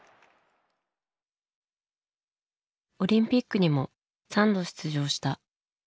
オリンピックにも３度出場した。